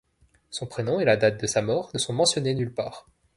Son prénom et la date de sa mort ne sont mentionnés nulle part.